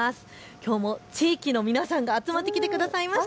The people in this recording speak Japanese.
きょうも地域の皆さんが集まってきてくださいました。